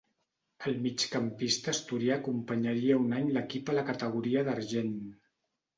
El migcampista asturià acompanyaria un any l'equip a la categoria d'argent.